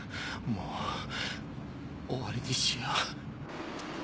もう終わりにしよう。